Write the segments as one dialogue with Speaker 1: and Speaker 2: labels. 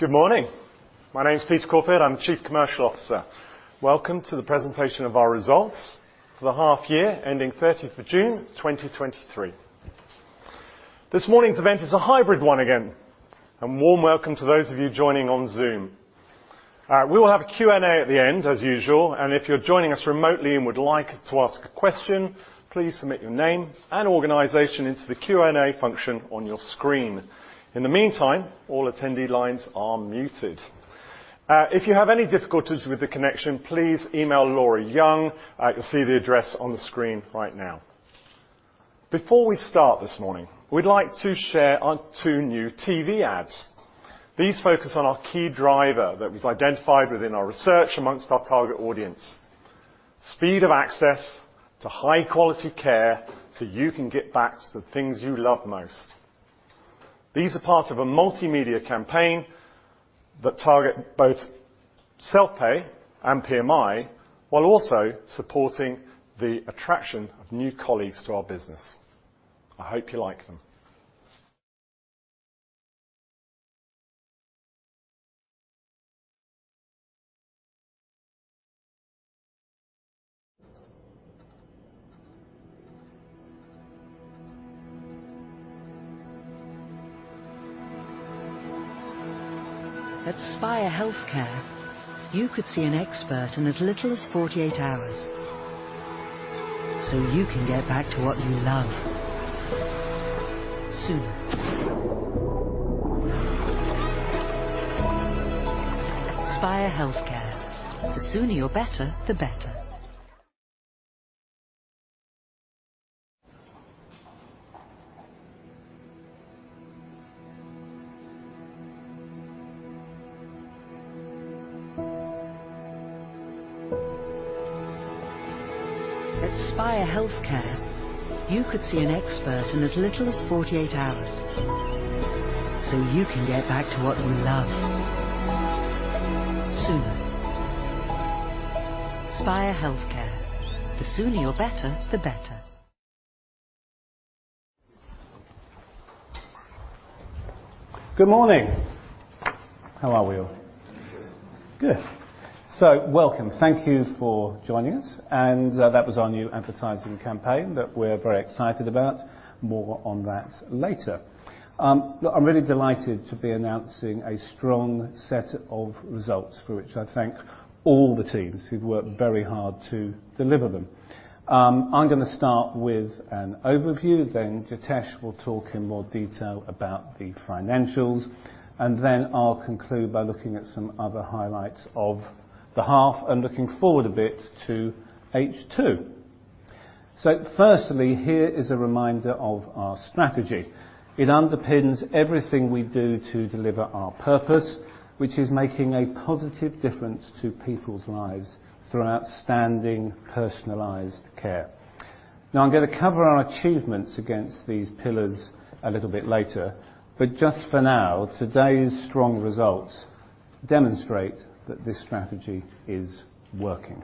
Speaker 1: Good morning. My name is Peter Corfield. I'm the Chief Commercial Officer. Welcome to the presentation of our results for the half year ending 30th of June, 2023. This morning's event is a hybrid one again, and warm welcome to those of you joining on Zoom. We will have a Q&A at the end, as usual, and if you're joining us remotely and would like to ask a question, please submit your name and organization into the Q&A function on your screen. In the meantime, all attendee lines are muted. If you have any difficulties with the connection, please email Laura Young. You'll see the address on the screen right now. Before we start this morning, we'd like to share our two new TV ads. These focus on our key driver that was identified within our research among our target audience: speed of access to high-quality care, so you can get back to the things you love most. These are part of a multimedia campaign that target both self-pay and PMI, while also supporting the attraction of new colleagues to our business. I hope you like them.
Speaker 2: At Spire Healthcare, you could see an expert in as little as 48 hours, so you can get back to what you love sooner. Spire Healthcare. The sooner you're better, the better. At Spire Healthcare, you could see an expert in as little as 48 hours, so you can get back to what you love sooner. Spire Healthcare. The sooner you're better, the better.
Speaker 1: Good morning. How are we all?
Speaker 3: Good.
Speaker 1: Good. So welcome. Thank you for joining us, and that was our new advertising campaign that we're very excited about. More on that later. Look, I'm really delighted to be announcing a strong set of results, for which I thank all the teams who've worked very hard to deliver them. I'm gonna start with an overview, then Jitesh will talk in more detail about the financials, and then I'll conclude by looking at some other highlights of the half and looking forward a bit to H2. So firstly, here is a reminder of our strategy. It underpins everything we do to deliver our purpose, which is making a positive difference to people's lives through outstanding, personalized care. Now, I'm gonna cover our achievements against these pillars a little bit later, but just for now, today's strong results demonstrate that this strategy is working.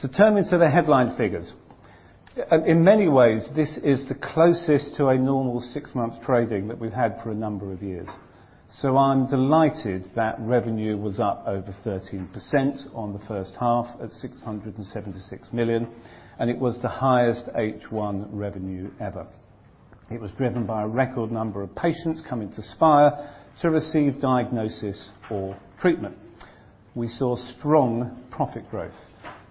Speaker 1: So turning to the headline figures. In many ways, this is the closest to a normal six-month trading that we've had for a number of years. So I'm delighted that revenue was up over 13% on the first half, at 676 million, and it was the highest H1 revenue ever. It was driven by a record number of patients coming to Spire to receive diagnosis or treatment. We saw strong profit growth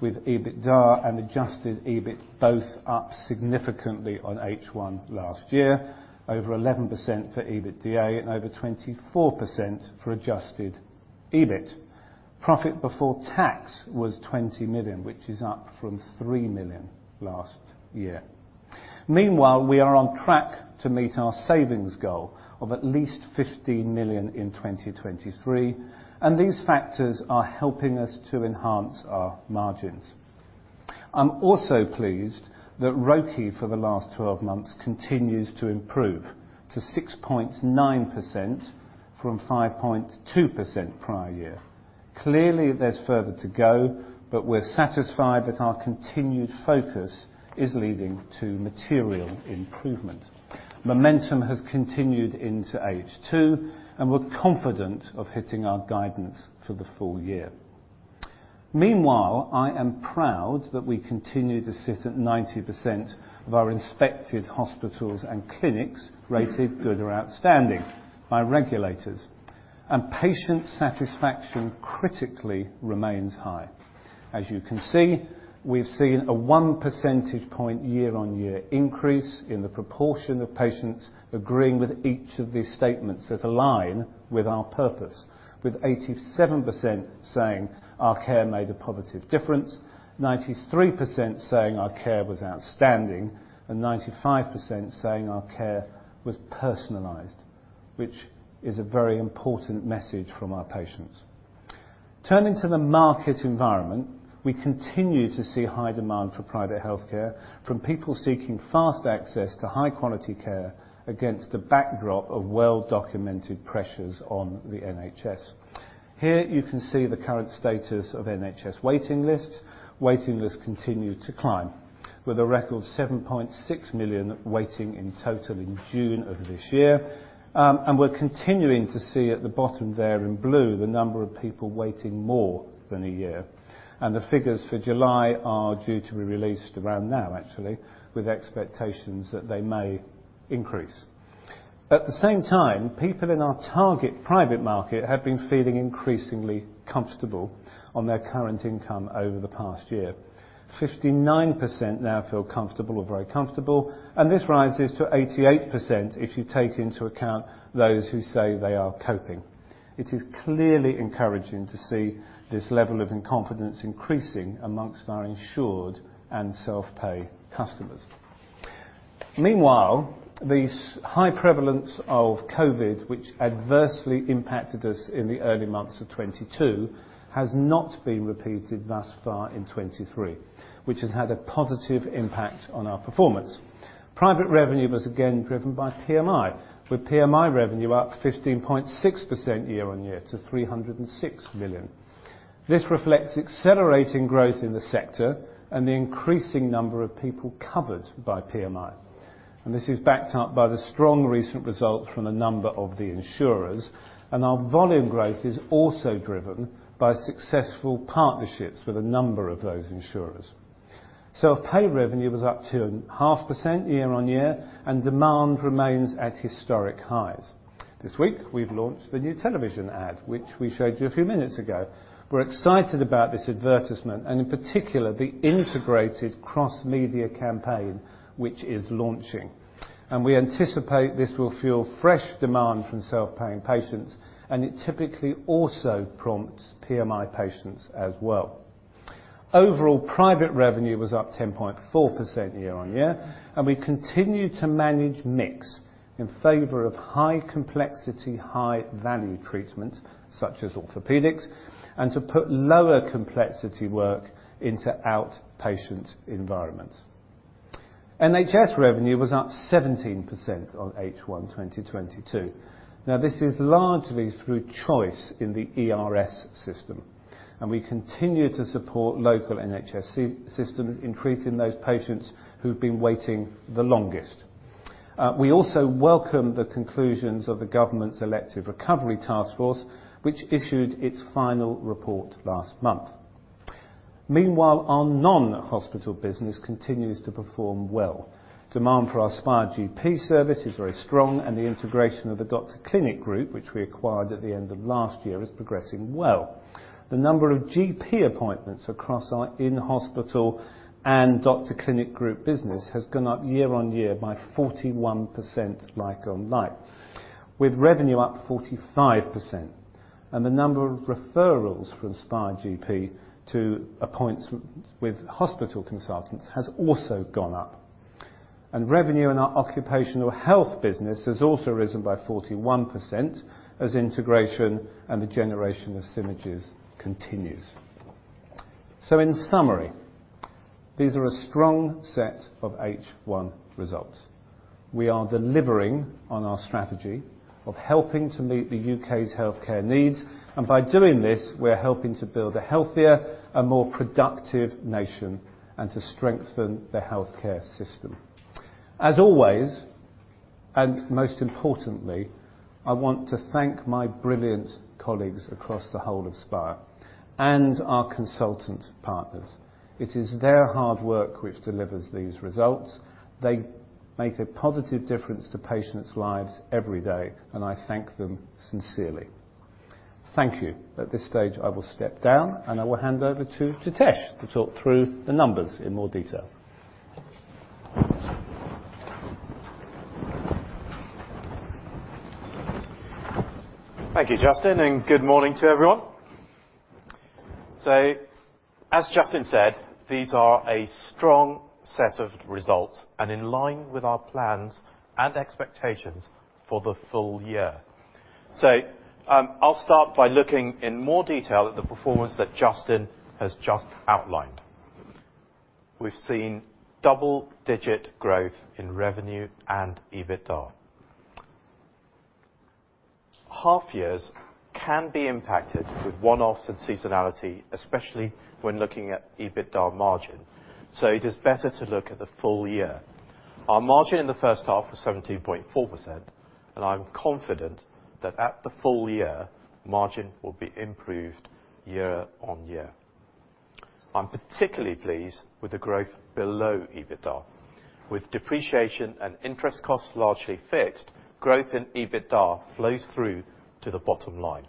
Speaker 1: with EBITDA and adjusted EBIT, both up significantly on H1 last year, over 11% for EBITDA and over 24% for adjusted EBIT. Profit before tax was 20 million, which is up from 3 million last year. Meanwhile, we are on track to meet our savings goal of at least 15 million in 2023, and these factors are helping us to enhance our margins. I'm also pleased that ROCE, for the last 12 months, continues to improve to 6.9% from 5.2% prior year. Clearly, there's further to go, but we're satisfied that our continued focus is leading to material improvement. Momentum has continued into H2, and we're confident of hitting our guidance for the full year. Meanwhile, I am proud that we continue to sit at 90% of our inspected hospitals and clinics rated good or outstanding by regulators, and patient satisfaction critically remains high. As you can see, we've seen a one percentage point year-on-year increase in the proportion of patients agreeing with each of these statements that align with our purpose, with 87% saying our care made a positive difference, 93% saying our care was outstanding, and 95% saying our care was personalized, which is a very important message from our patients. Turning to the market environment, we continue to see high demand for private healthcare from people seeking fast access to high-quality care against the backdrop of well-documented pressures on the NHS. Here, you can see the current status of NHS waiting lists. Waiting lists continue to climb, with a record 7.6 million waiting in total in June of this year. And we're continuing to see at the bottom there in blue, the number of people waiting more than a year, and the figures for July are due to be released around now, actually, with expectations that they may increase. At the same time, people in our target private market have been feeling increasingly comfortable on their current income over the past year. 59% now feel comfortable or very comfortable, and this rises to 88% if you take into account those who say they are coping. It is clearly encouraging to see this level of confidence increasing among our insured and self-pay customers. Meanwhile, the high prevalence of COVID, which adversely impacted us in the early months of 2022, has not been repeated thus far in 2023, which has had a positive impact on our performance. Private revenue was again driven by PMI, with PMI revenue up 15.6% year-on-year to 306 million. This reflects accelerating growth in the sector and the increasing number of people covered by PMI, and this is backed up by the strong recent results from a number of the insurers. Our pay revenue was up 0.5% year-on-year, and demand remains at historic highs. This week, we've launched the new television ad, which we showed you a few minutes ago. We're excited about this advertisement and in particular, the integrated cross-media campaign, which is launching. We anticipate this will fuel fresh demand from self-paying patients, and it typically also prompts PMI patients as well. Overall, private revenue was up 10.4% year-on-year, and we continue to manage mix in favor of high complexity, high value treatments such as orthopedics, and to put lower complexity work into outpatient environments. NHS revenue was up 17% on H1 2022. Now, this is largely through choice in the ERS system, and we continue to support local NHS systems, increasing those patients who've been waiting the longest. We also welcome the conclusions of the government's Elective Recovery Taskforce, which issued its final report last month. Meanwhile, our non-hospital business continues to perform well. Demand for our Spire GP service is very strong, and the integration of the Doctor Clinic Group, which we acquired at the end of last year, is progressing well. The number of GP appointments across our in-hospital and Doctor Clinic Group business has gone up year-on-year by 41%, like-for-like, with revenue up 45%. The number of referrals from Spire GP to appointments with hospital consultants has also gone up. Revenue in our occupational health business has also risen by 41% as integration and the generation of synergies continues. In summary, these are a strong set of H1 results. We are delivering on our strategy of helping to meet the U.K.'s healthcare needs, and by doing this, we are helping to build a healthier and more productive nation and to strengthen the healthcare system. As always, and most importantly, I want to thank my brilliant colleagues across the whole of Spire and our consultant partners. It is their hard work which delivers these results. They make a positive difference to patients' lives every day, and I thank them sincerely. Thank you. At this stage, I will step down, and I will hand over to Jitesh to talk through the numbers in more detail.
Speaker 4: Thank you, Justin, and good morning to everyone. So as Justin said, these are a strong set of results and in line with our plans and expectations for the full year. So, I'll start by looking in more detail at the performance that Justin has just outlined. We've seen double-digit growth in revenue and EBITDA. Half years can be impacted with one-offs and seasonality, especially when looking at EBITDA margin, so it is better to look at the full year. Our margin in the first half was 17.4%, and I'm confident that at the full year, margin will be improved year-on-year. I'm particularly pleased with the growth below EBITDA. With depreciation and interest costs largely fixed, growth in EBITDA flows through to the bottom line.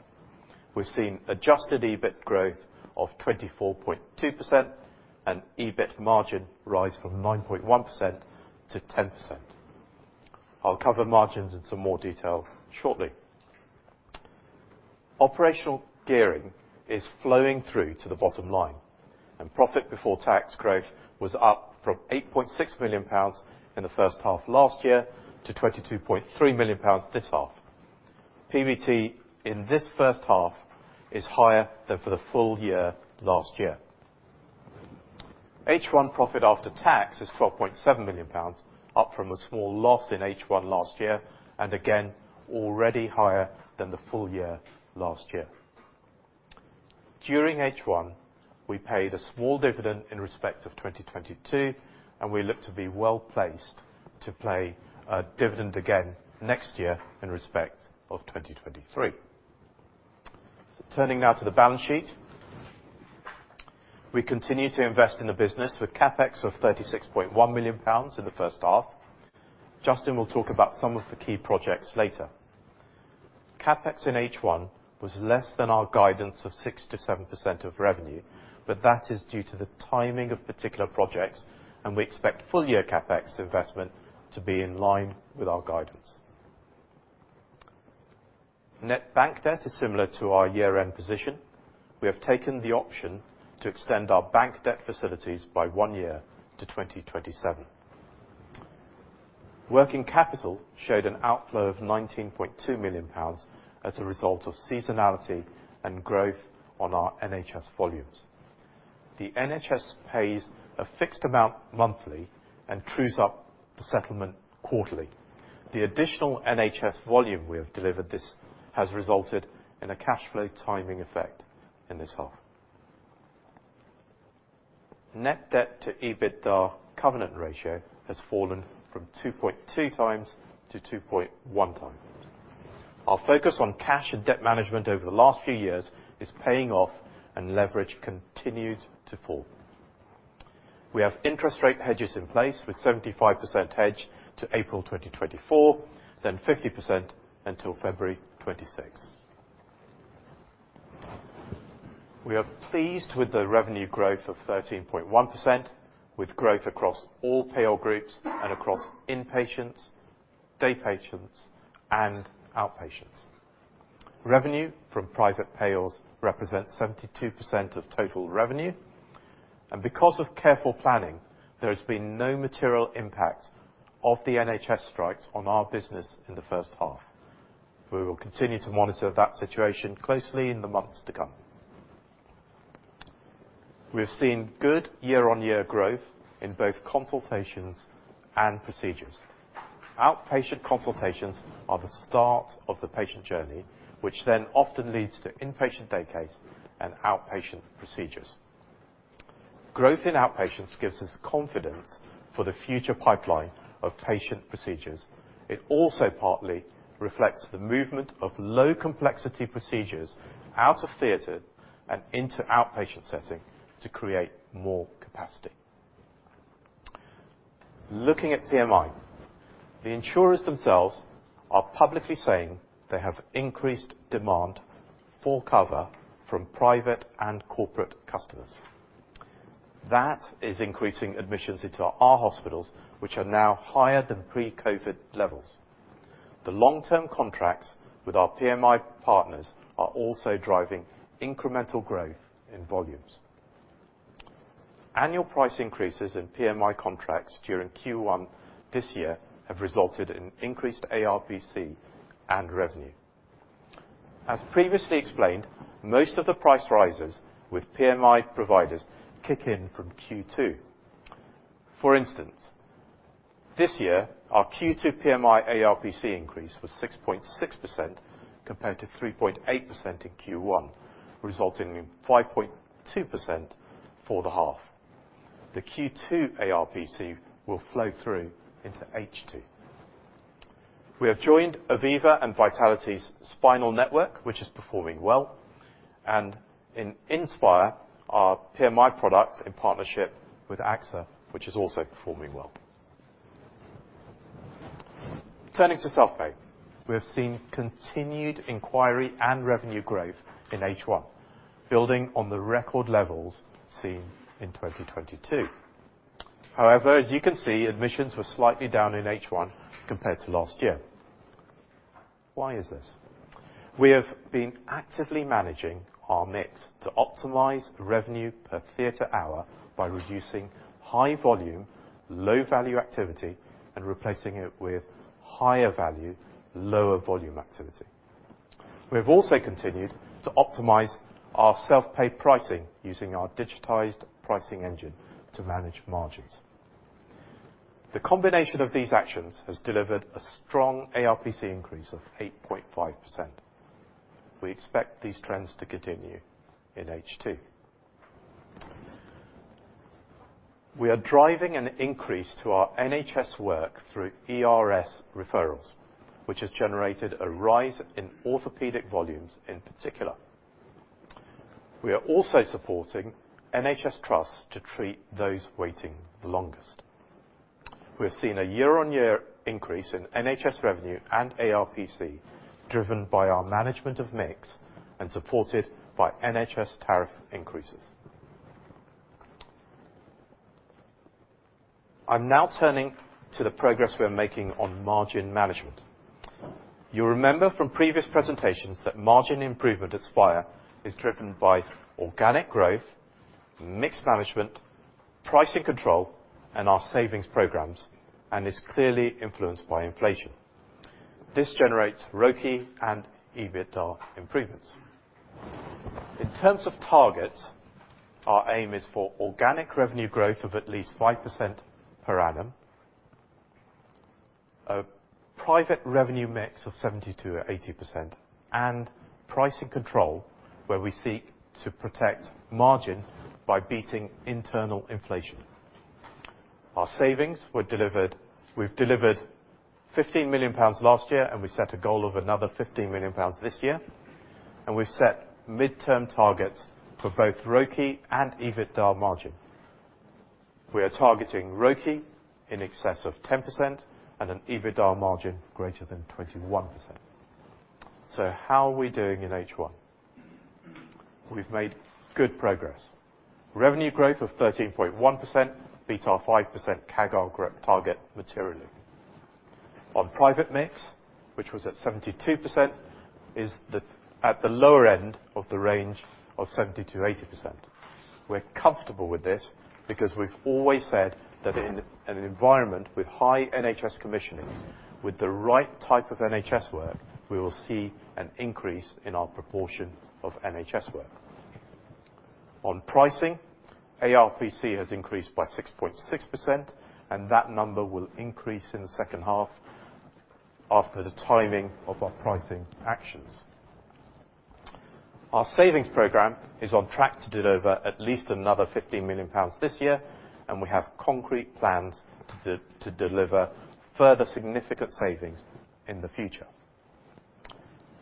Speaker 4: We've seen adjusted EBIT growth of 24.2% and EBIT margin rise from 9.1%-10%. I'll cover margins in some more detail shortly. Operational gearing is flowing through to the bottom line, and profit before tax growth was up from 8.6 million pounds in the first half last year to 22.3 million pounds this half. PBT in this first half is higher than for the full year last year. H1 profit after tax is 12.7 million pounds, up from a small loss in H1 last year, and again, already higher than the full year last year. During H1, we paid a small dividend in respect of 2022, and we look to be well-placed to pay a dividend again next year in respect of 2023. Turning now to the balance sheet. We continue to invest in the business with CapEx of 36.1 million pounds in the first half. Justin will talk about some of the key projects later. CapEx in H1 was less than our guidance of 6%-7% of revenue, but that is due to the timing of particular projects, and we expect full year CapEx investment to be in line with our guidance. Net bank debt is similar to our year-end position. We have taken the option to extend our bank debt facilities by one year to 2027. Working capital showed an outflow of 19.2 million pounds as a result of seasonality and growth on our NHS volumes. The NHS pays a fixed amount monthly and trues up the settlement quarterly. The additional NHS volume we have delivered, this has resulted in a cash flow timing effect in this half. Net debt to EBITDA covenant ratio has fallen from 2.2x-2.1x. Our focus on cash and debt management over the last few years is paying off, and leverage continued to fall. We have interest rate hedges in place, with 75% hedged to April 2024, then 50% until February 2026. We are pleased with the revenue growth of 13.1%, with growth across all payor groups and across in-patients, day patients, and outpatients. Revenue from private pays represents 72% of total revenue, and because of careful planning, there has been no material impact of the NHS strikes on our business in the first half. We will continue to monitor that situation closely in the months to come. We have seen good year-on-year growth in both consultations and procedures. Outpatient consultations are the start of the patient journey, which then often leads to inpatient day case and outpatient procedures. Growth in outpatients gives us confidence for the future pipeline of patient procedures. It also partly reflects the movement of low-complexity procedures out of theater and into outpatient setting to create more capacity. Looking at PMI, the insurers themselves are publicly saying they have increased demand for cover from private and corporate customers. That is increasing admissions into our hospitals, which are now higher than pre-COVID levels. The long-term contracts with our PMI partners are also driving incremental growth in volumes. Annual price increases in PMI contracts during Q1 this year have resulted in increased ARPC and revenue. As previously explained, most of the price rises with PMI providers kick in from Q2. For instance, this year, our Q2 PMI ARPC increase was 6.6% compared to 3.8% in Q1, resulting in 5.2% for the half. The Q2 ARPC will flow through into H2. We have joined Aviva and Vitality's spinal network, which is performing well, and in inSpire, our PMI product in partnership with AXA, which is also performing well. Turning to self-pay, we have seen continued inquiry and revenue growth in H1, building on the record levels seen in 2022. However, as you can see, admissions were slightly down in H1 compared to last year. Why is this? We have been actively managing our mix to optimize revenue per theater hour by reducing high volume, low-value activity and replacing it with higher value, lower volume activity. We have also continued to optimize our self-pay pricing using our digitized pricing engine to manage margins. The combination of these actions has delivered a strong ARPC increase of 8.5%. We expect these trends to continue in H2. We are driving an increase to our NHS work through ERS referrals, which has generated a rise in orthopedic volumes in particular. We are also supporting NHS Trusts to treat those waiting the longest. We have seen a year-on-year increase in NHS revenue and ARPC, driven by our management of mix and supported by NHS tariff increases. I'm now turning to the progress we are making on margin management. You'll remember from previous presentations that margin improvement at Spire is driven by organic growth, mix management, pricing control, and our savings programs, and is clearly influenced by inflation. This generates ROCE and EBITDA improvements. In terms of targets, our aim is for organic revenue growth of at least 5% per annum, a private revenue mix of 72% or 80%, and pricing control, where we seek to protect margin by beating internal inflation. We've delivered 15 million pounds last year, and we set a goal of another 15 million pounds this year, and we've set midterm targets for both ROCE and EBITDA margin. We are targeting ROCE in excess of 10% and an EBITDA margin greater than 21%. So how are we doing in H1? We've made good progress. Revenue growth of 13.1% beat our 5% CAGR growth target materially. On private mix, which was at 72%, is at the lower end of the range of 70%-80%. We're comfortable with this because we've always said that in an environment with high NHS commissioning, with the right type of NHS work, we will see an increase in our proportion of NHS work. On pricing, ARPC has increased by 6.6%, and that number will increase in the second half after the timing of our pricing actions. Our savings program is on track to deliver at least another 15 million pounds this year, and we have concrete plans to deliver further significant savings in the future.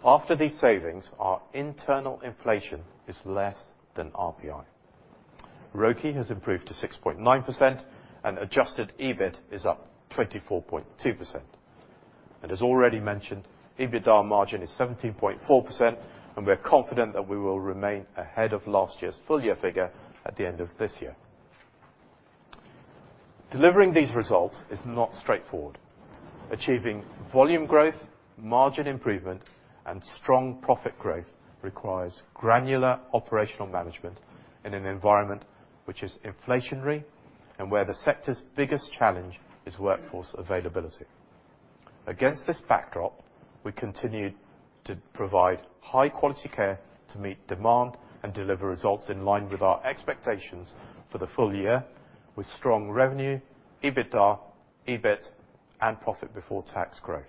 Speaker 4: After these savings, our internal inflation is less than RPI. ROCE has improved to 6.9%, and adjusted EBIT is up 24.2%. And as already mentioned, EBITDA margin is 17.4%, and we are confident that we will remain ahead of last year's full-year figure at the end of this year. Delivering these results is not straightforward. Achieving volume growth, margin improvement, and strong profit growth requires granular operational management in an environment which is inflationary and where the sector's biggest challenge is workforce availability. Against this backdrop, we continued to provide high-quality care to meet demand and deliver results in line with our expectations for the full year, with strong revenue, EBITDA, EBIT, and profit before tax growth.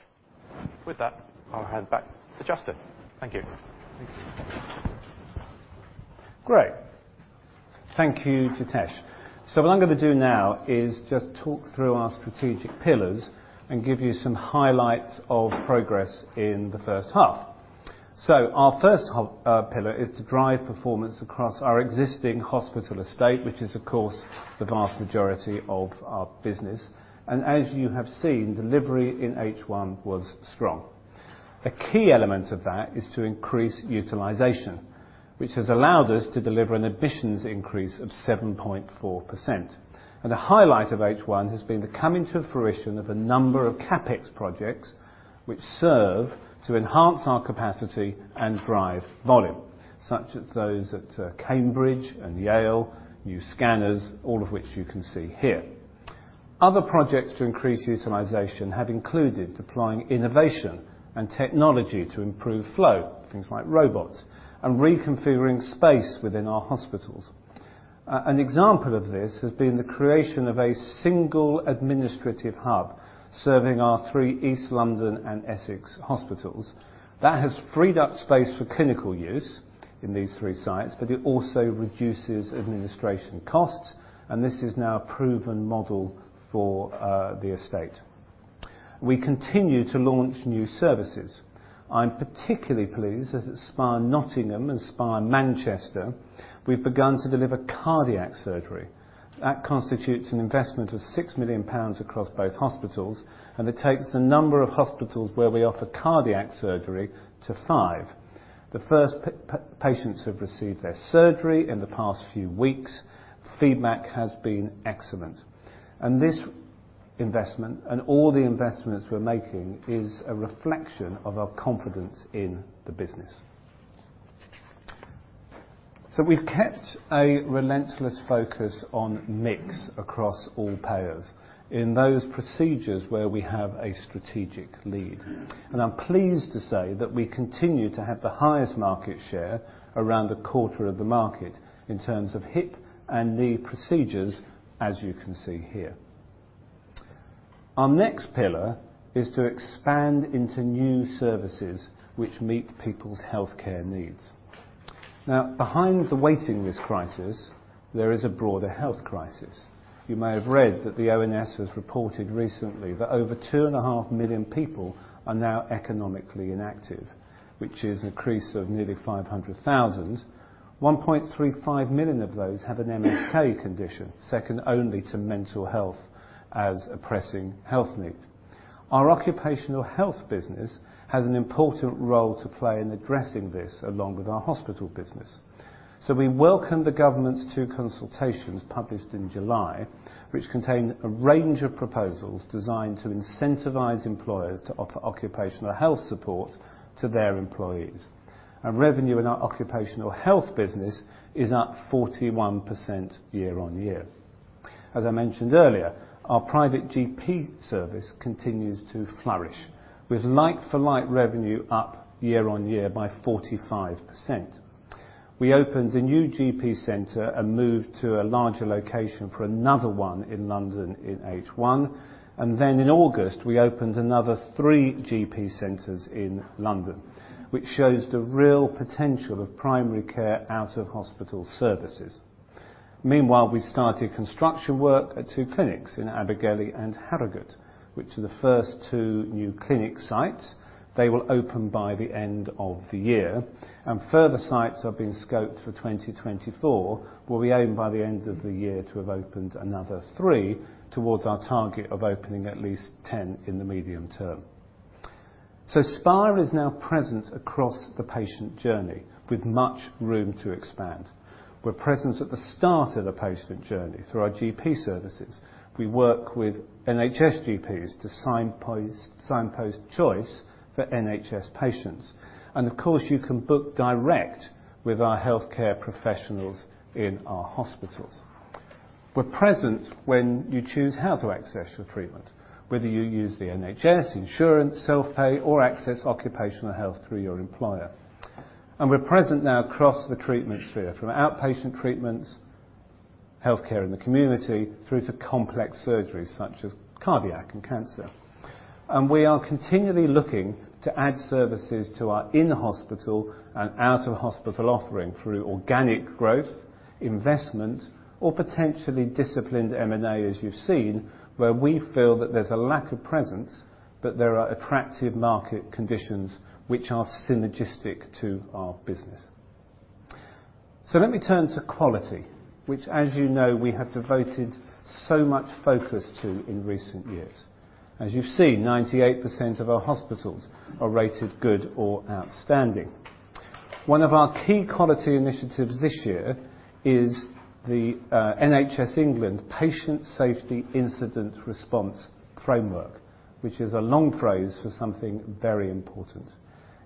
Speaker 4: With that, I'll hand back to Justin. Thank you.
Speaker 1: Great. Thank you Jitesh. So what I'm gonna do now is just talk through our strategic pillars and give you some highlights of progress in the first half. So our first pillar is to drive performance across our existing hospital estate, which is, of course, the vast majority of our business, and as you have seen, delivery in H1 was strong. A key element of that is to increase utilization, which has allowed us to deliver an admissions increase of 7.4%. And the highlight of H1 has been the coming to fruition of a number of CapEx projects, which serve to enhance our capacity and drive volume, such as those at Cambridge and Yale, new scanners, all of which you can see here. Other projects to increase utilization have included deploying innovation and technology to improve flow, things like robots, and reconfiguring space within our hospitals. An example of this has been the creation of a single administrative hub, serving our three East London and Essex hospitals. That has freed up space for clinical use in these three sites, but it also reduces administration costs, and this is now a proven model for the estate. We continue to launch new services. I'm particularly pleased that at Spire Nottingham and Spire Manchester, we've begun to deliver cardiac surgery. That constitutes an investment of 6 million pounds across both hospitals, and it takes the number of hospitals where we offer cardiac surgery to five. The first patients have received their surgery in the past few weeks. Feedback has been excellent. And this investment and all the investments we're making is a reflection of our confidence in the business. So we've kept a relentless focus on mix across all payers in those procedures where we have a strategic lead, and I'm pleased to say that we continue to have the highest market share, around a quarter of the market, in terms of hip and knee procedures, as you can see here. Our next pillar is to expand into new services which meet people's healthcare needs. Now, behind the waiting list crisis, there is a broader health crisis. You may have read that the ONS has reported recently that over 2.5 million people are now economically inactive, which is an increase of nearly 500,000. 1.35 million of those have an MSK condition, second only to mental health as a pressing health need. Our occupational health business has an important role to play in addressing this, along with our hospital business. So we welcome the government's two consultations, published in July, which contain a range of proposals designed to incentivize employers to offer occupational health support to their employees, and revenue in our occupational health business is up 41% year-on-year. As I mentioned earlier, our private GP service continues to flourish, with like-for-like revenue up year-on-year by 45%. We opened a new GP center and moved to a larger location for another one in London in H1, and then in August, we opened another three GP centers in London, which shows the real potential of primary care out-of-hospital services. Meanwhile, we started construction work at two clinics in Abergele and Harrogate, which are the first two new clinic sites. They will open by the end of the year. Further sites are being scoped for 2024, where we aim, by the end of the year, to have opened another three towards our target of opening at least 10 in the medium term. So Spire is now present across the patient journey, with much room to expand. We're present at the start of the patient journey through our GP services. We work with NHS GPs to signpost choice for NHS patients, and of course, you can book direct with our healthcare professionals in our hospitals. We're present when you choose how to access your treatment, whether you use the NHS, insurance, self-pay, or access occupational health through your employer. We're present now across the treatment sphere, from outpatient treatments, healthcare in the community, through to complex surgeries such as cardiac and cancer. And we are continually looking to add services to our in-hospital and out-of-hospital offering through organic growth, investment, or potentially disciplined M&A, as you've seen, where we feel that there's a lack of presence, but there are attractive market conditions which are synergistic to our business. So let me turn to quality, which, as you know, we have devoted so much focus to in recent years. As you've seen, 98% of our hospitals are rated good or outstanding. One of our key quality initiatives this year is the NHS England Patient Safety Incident Response Framework, which is a long phrase for something very important.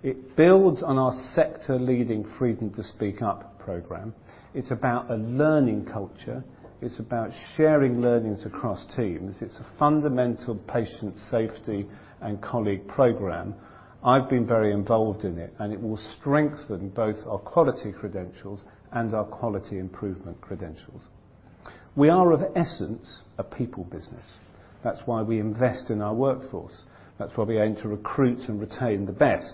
Speaker 1: It builds on our sector-leading Freedom to Speak Up program. It's about a learning culture. It's about sharing learnings across teams. It's a fundamental patient safety and colleague program. I've been very involved in it, and it will strengthen both our quality credentials and our quality improvement credentials. We are, at essence, a people business. That's why we invest in our workforce. That's why we aim to recruit and retain the best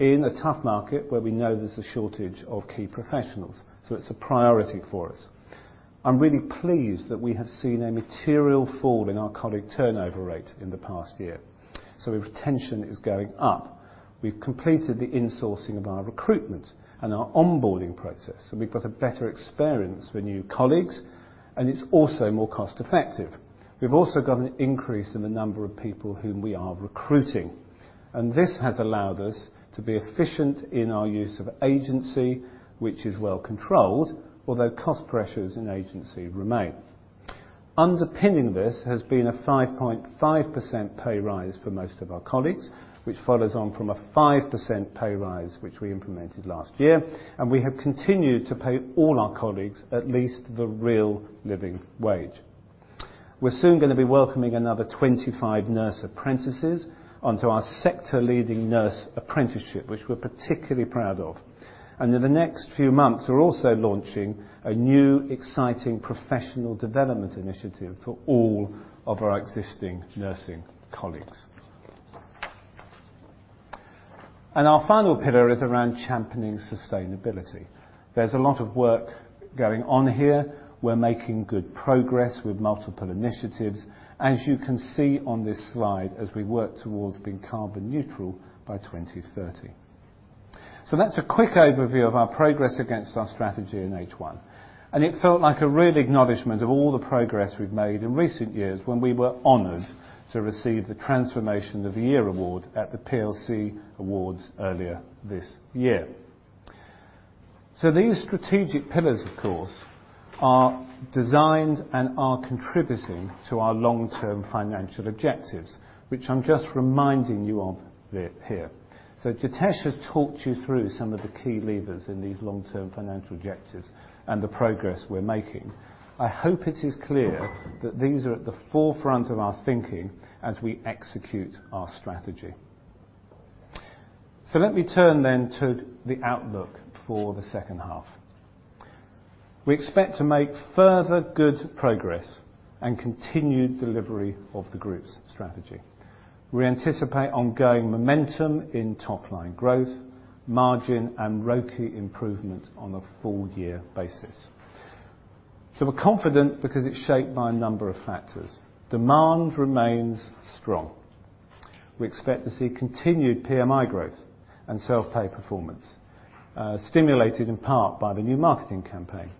Speaker 1: in a tough market, where we know there's a shortage of key professionals, so it's a priority for us. I'm really pleased that we have seen a material fall in our colleague turnover rate in the past year, so retention is going up. We've completed the insourcing of our recruitment and our onboarding process, and we've got a better experience for new colleagues, and it's also more cost-effective. We've also got an increase in the number of people whom we are recruiting, and this has allowed us to be efficient in our use of agency, which is well controlled, although cost pressures in agency remain. Underpinning this has been a 5.5% pay rise for most of our colleagues, which follows on from a 5% pay rise, which we implemented last year, and we have continued to pay all our colleagues at least the Real Living Wage. We're soon gonna be welcoming another 25 nurse apprentices onto our sector-leading nurse apprenticeship, which we're particularly proud of. In the next few months, we're also launching a new, exciting professional development initiative for all of our existing nursing colleagues. Our final pillar is around championing sustainability. There's a lot of work going on here. We're making good progress with multiple initiatives, as you can see on this slide, as we work towards being carbon neutral by 2030. So that's a quick overview of our progress against our strategy in H1, and it felt like a real acknowledgement of all the progress we've made in recent years when we were honored to receive the Transformation of the Year award at the PLC Awards earlier this year. These strategic pillars, of course, are designed and are contributing to our long-term financial objectives, which I'm just reminding you of here. Jitesh has talked you through some of the key levers in these long-term financial objectives and the progress we're making. I hope it is clear that these are at the forefront of our thinking as we execute our strategy. So let me turn then to the outlook for the second half. We expect to make further good progress and continued delivery of the group's strategy. We anticipate ongoing momentum in top-line growth, margin, and ROCE improvement on a full year basis. So we're confident because it's shaped by a number of factors. Demand remains strong. We expect to see continued PMI growth and self-pay performance, stimulated in part by the new marketing campaign.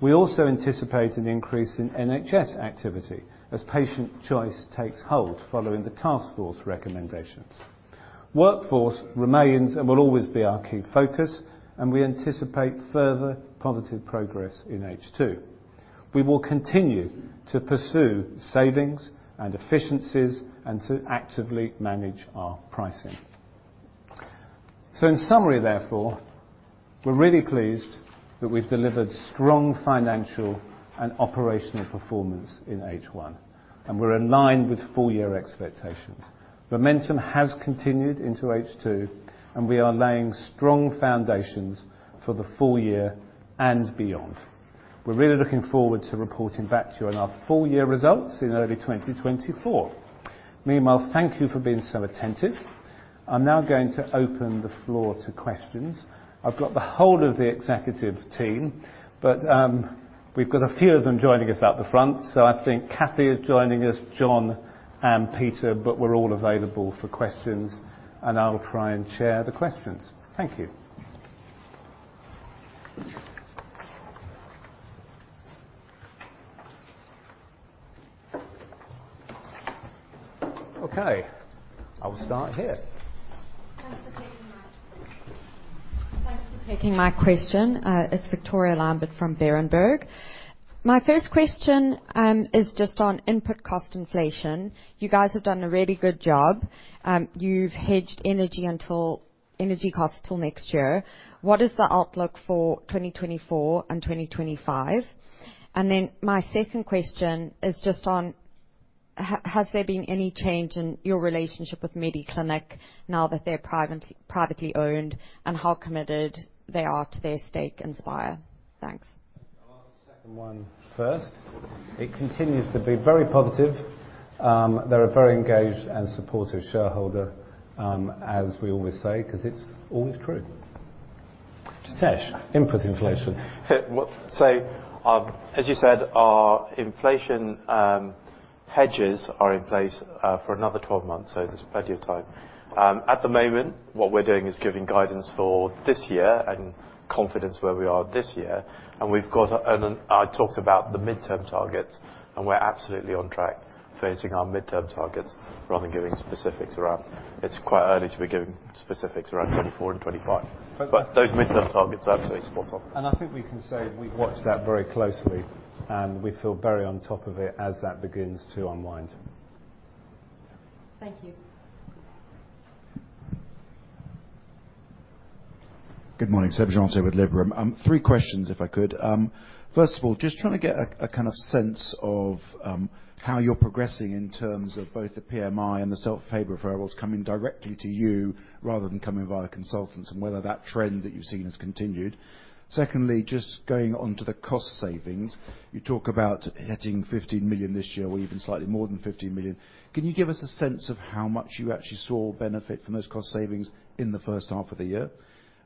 Speaker 1: We also anticipate an increase in NHS activity as patient choice takes hold following the task force recommendations. Workforce remains and will always be our key focus, and we anticipate further positive progress in H2. We will continue to pursue savings and efficiencies and to actively manage our pricing. So in summary, therefore, we're really pleased that we've delivered strong financial and operational performance in H1, and we're aligned with full year expectations. Momentum has continued into H2, and we are laying strong foundations for the full year and beyond. We're really looking forward to reporting back to you on our full year results in early 2024. Meanwhile, thank you for being so attentive. I'm now going to open the floor to questions. I've got the whole of the executive team, but we've got a few of them joining us at the front. So I think Cathy is joining us, John and Peter, but we're all available for questions, and I'll try and chair the questions. Thank you. Okay, I'll start here.
Speaker 5: Thanks for taking my question. It's Victoria Lambert from Berenberg. My first question is just on input cost inflation. You guys have done a really good job. You've hedged energy costs till next year. What is the outlook for 2024 and 2025? And then my second question is just on, has there been any change in your relationship with Mediclinic, now that they're privately owned, and how committed they are to their stake inSpire? Thanks.
Speaker 1: I'll answer the second one first. It continues to be very positive. They're a very engaged and supportive shareholder, as we always say, 'cause it's always true. Jitesh, input inflation.
Speaker 4: Well, so, as you said, our inflation hedges are in place for another 12 months, so there's plenty of time. At the moment, what we're doing is giving guidance for this year and confidence where we are this year, and we've got. I talked about the midterm targets, and we're absolutely on track for hitting our midterm targets rather than giving specifics around. It's quite early to be giving specifics around 2024 and 2025.
Speaker 1: Okay.
Speaker 4: Those midterm targets are absolutely spot on.
Speaker 1: I think we can say we've watched that very closely, and we feel very on top of it as that begins to unwind.
Speaker 5: Thank you.
Speaker 6: Good morning. Seb Jantet with Liberum. Three questions, if I could. First of all, just trying to get a, a kind of sense of, how you're progressing in terms of both the PMI and the self-pay referrals coming directly to you rather than coming via consultants, and whether that trend that you've seen has continued. Secondly, just going on to the cost savings, you talk about hitting 15 million this year or even slightly more than 15 million. Can you give us a sense of how much you actually saw benefit from those cost savings in the first half of the year?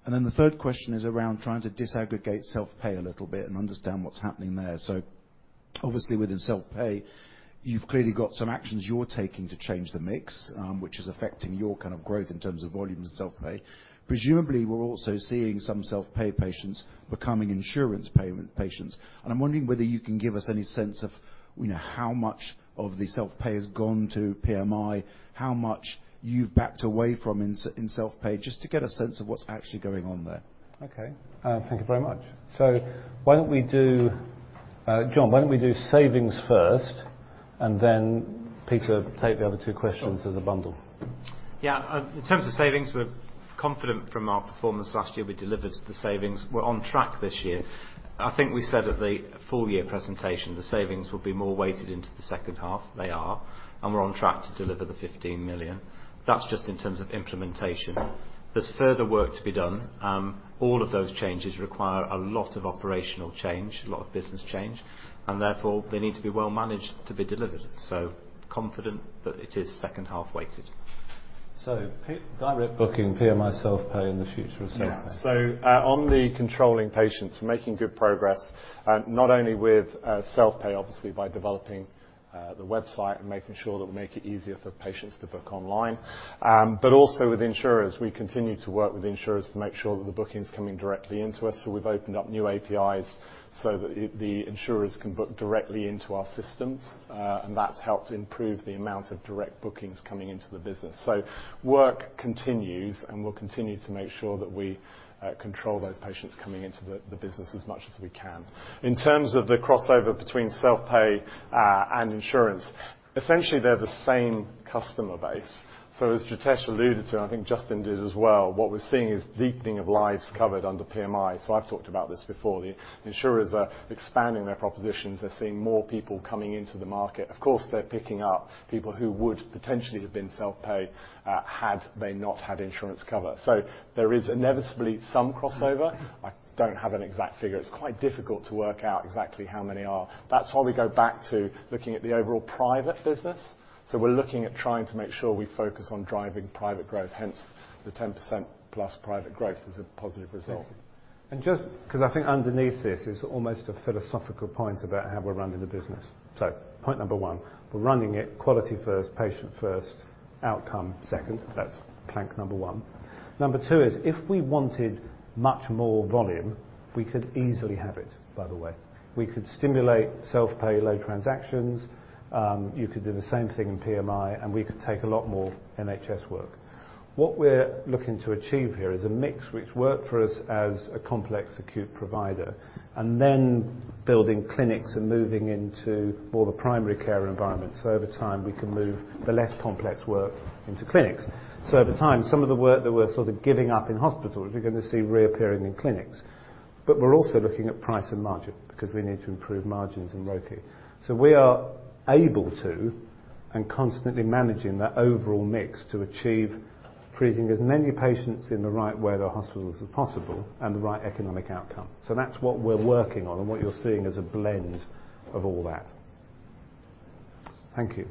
Speaker 6: And then the third question is around trying to disaggregate self-pay a little bit and understand what's happening there. So obviously, within self-pay, you've clearly got some actions you're taking to change the mix, which is affecting your kind of growth in terms of volumes in self-pay. Presumably, we're also seeing some self-pay patients becoming insurance payment patients, and I'm wondering whether you can give us any sense of, you know, how much of the self-pay has gone to PMI, how much you've backed away from in self-pay, just to get a sense of what's actually going on there.
Speaker 1: Okay. Thank you very much. So why don't we do, John, why don't we do savings first, and then, Peter, take the other two questions as a bundle?
Speaker 7: Yeah. In terms of savings, we're confident from our performance last year, we delivered the savings. We're on track this year. I think we said at the full year presentation, the savings will be more weighted into the second half. They are, and we're on track to deliver the 15 million. That's just in terms of implementation. There's further work to be done. All of those changes require a lot of operational change, a lot of business change, and therefore, they need to be well managed to be delivered. So confident that it is second-half weighted.
Speaker 1: So direct booking, PMI, self-pay, and the future of self-pay.
Speaker 8: Yeah. So, on the controlling patients, we're making good progress, not only with self-pay, obviously, by developing the website and making sure that we make it easier for patients to book online, but also with insurers. We continue to work with insurers to make sure that the booking is coming directly into us, so we've opened up new APIs so that the insurers can book directly into our systems. And that's helped improve the amount of direct bookings coming into the business. So work continues, and we'll continue to make sure that we control those patients coming into the business as much as we can. In terms of the crossover between self-pay and insurance, essentially they're the same customer base. So as Jitesh alluded to, and I think Justin did as well, what we're seeing is deepening of lives covered under PMI. So I've talked about this before. The insurers are expanding their propositions. They're seeing more people coming into the market. Of course, they're picking up people who would potentially have been self-pay, had they not had insurance cover. So there is inevitably some crossover. I don't have an exact figure. It's quite difficult to work out exactly how many are. That's why we go back to looking at the overall private business. So we're looking at trying to make sure we focus on driving private growth, hence the 10%+ private growth as a positive result.
Speaker 1: Just 'cause I think underneath this is almost a philosophical point about how we're running the business. So point number one, we're running it quality first, patient first, outcome second. That's plank number one. Number two is, if we wanted much more volume, we could easily have it, by the way. We could stimulate self-pay, low transactions, you could do the same thing in PMI, and we could take a lot more NHS work. What we're looking to achieve here is a mix which worked for us as a complex, acute provider, and then building clinics and moving into more the primary care environment, so over time, we can move the less complex work into clinics. So over time, some of the work that we're sort of giving up in hospitals, you're going to see reappearing in clinics.... But we're also looking at price and margin, because we need to improve margins and ROCE. So we are able to, and constantly managing that overall mix to achieve treating as many patients in the right where the hospitals are possible and the right economic outcome. So that's what we're working on, and what you're seeing is a blend of all that. Thank you.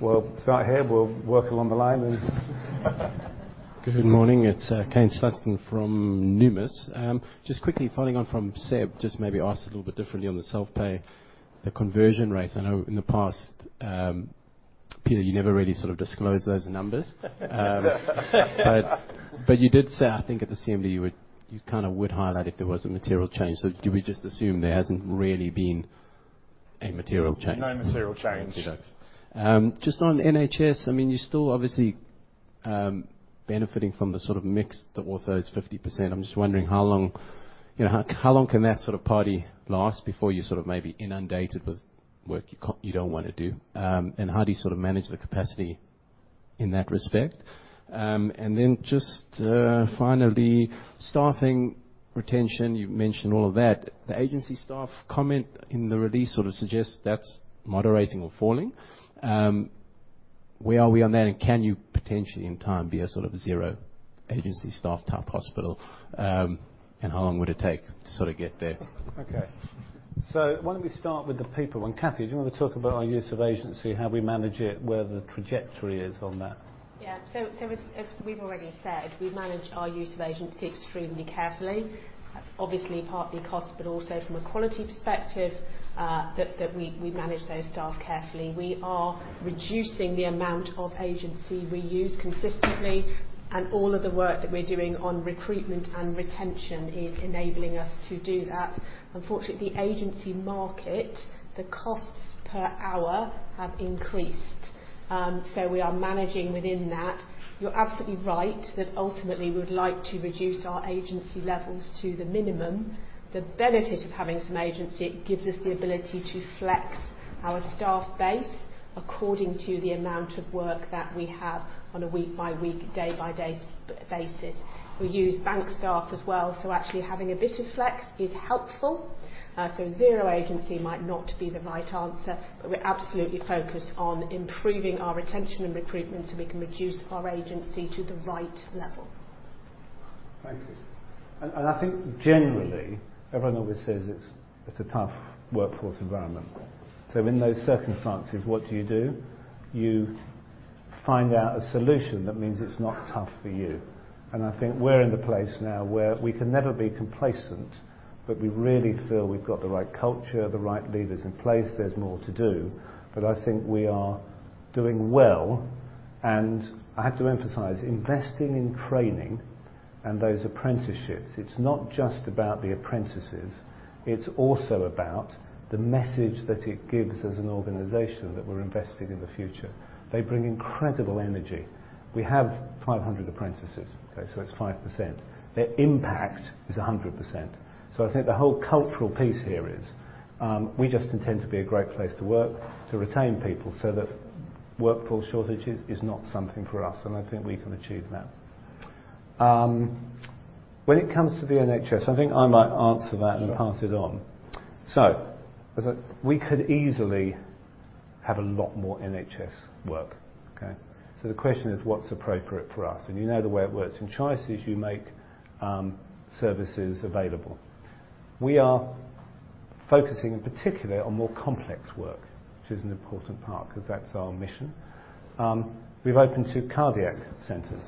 Speaker 1: We'll start here, we'll work along the line, and
Speaker 9: Good morning, it's Kane Slutzkin from Numis. Just quickly following on from Seb, just maybe ask a little bit differently on the self-pay, the conversion rate. I know in the past, Peter, you never really sort of disclosed those numbers. But you did say, I think at the CMD, you would—you kinda would highlight if there was a material change. So do we just assume there hasn't really been a material change?
Speaker 8: No material change.
Speaker 9: Thank you, guys. Just on NHS, I mean, you're still obviously, benefiting from the sort of mix, the orthos 50%. I'm just wondering how long, you know, how, how long can that sort of party last before you're sort of maybe inundated with work you can't-- you don't wanna do? And how do you sort of manage the capacity in that respect? And then just, finally, staffing retention, you've mentioned all of that. The agency staff comment in the release sort of suggests that's moderating or falling. Where are we on that, and can you potentially, in time, be a sort of zero-agency staff type hospital? And how long would it take to sort of get there?
Speaker 1: Okay. So why don't we start with the people one. Cathy, do you want to talk about our use of agency, how we manage it, where the trajectory is on that?
Speaker 10: Yeah. So as we've already said, we manage our use of agency extremely carefully. That's obviously partly cost, but also from a quality perspective, that we manage those staff carefully. We are reducing the amount of agency we use consistently, and all of the work that we're doing on recruitment and retention is enabling us to do that. Unfortunately, the agency market, the costs per hour have increased, so we are managing within that. You're absolutely right, that ultimately, we would like to reduce our agency levels to the minimum. The benefit of having some agency, it gives us the ability to flex our staff base according to the amount of work that we have on a week-by-week, day-by-day basis. We use bank staff as well, so actually having a bit of flex is helpful. So zero agency might not be the right answer, but we're absolutely focused on improving our retention and recruitment so we can reduce our agency to the right level.
Speaker 1: Thank you. I think generally, everyone always says it's a tough workforce environment. So in those circumstances, what do you do? You find a solution that means it's not tough for you. I think we're in the place now where we can never be complacent, but we really feel we've got the right culture, the right leaders in place. There's more to do, but I think we are doing well. I have to emphasize, investing in training and those apprenticeships, it's not just about the apprentices, it's also about the message that it gives as an organization that we're investing in the future. They bring incredible energy. We have 500 apprentices, okay, so it's 5%. Their impact is 100%. So I think the whole cultural piece here is, we just intend to be a great place to work, to retain people, so that workforce shortages is not something for us, and I think we can achieve that. When it comes to the NHS, I think I might answer that-
Speaker 8: Sure.
Speaker 1: -and pass it on. So as a We could easily have a lot more NHS work, okay? So the question is, what's appropriate for us? And you know the way it works. In choices, you make, services available. We are focusing in particular on more complex work, which is an important part, 'cause that's our mission. We've opened two cardiac centers.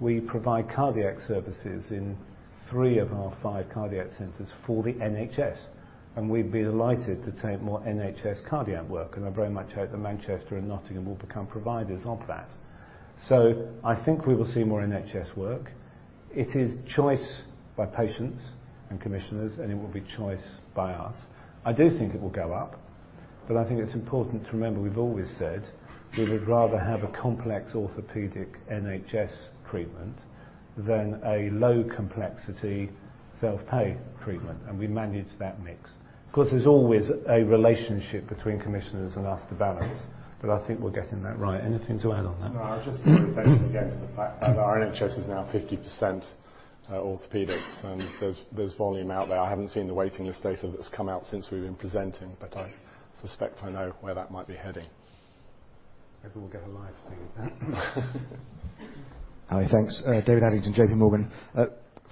Speaker 1: We provide cardiac services in three of our five cardiac centers for the NHS, and we'd be delighted to take more NHS cardiac work, and I very much hope that Manchester and Nottingham will become providers of that. So I think we will see more NHS work. It is choice by patients and commissioners, and it will be choice by us. I do think it will go up, but I think it's important to remember, we've always said, we would rather have a complex orthopedic NHS treatment than a low-complexity, self-pay treatment, and we manage that mix. Of course, there's always a relationship between commissioners and us to balance, but I think we're getting that right. Anything to add on that?
Speaker 8: No, I was just going to mention again to the fact that our NHS is now 50%, orthopedics, and there's, there's volume out there. I haven't seen the waiting list data that's come out since we've been presenting, but I suspect I know where that might be heading.
Speaker 1: Maybe we'll get a live thing with that.
Speaker 11: Hi, thanks. David Adlington, J.P. Morgan.